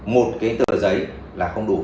một cái tờ giấy là không đủ